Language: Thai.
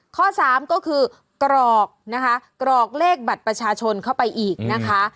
ข้อ๓ก็คือกรอกเลขบัตรประชาชนเข้าไปอีกนะคะ